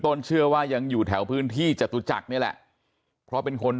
เชื่อว่ายังอยู่แถวพื้นที่จตุจักรนี่แหละเพราะเป็นคน